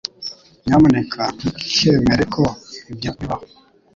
Nyamuneka ntukemere ko ibyo bibaho